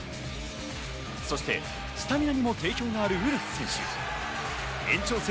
そしてスタミナにも定評があるウルフ選手。